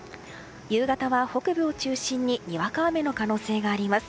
夕方は北部を中心ににわか雨の可能性があります。